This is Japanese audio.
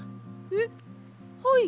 えっはい！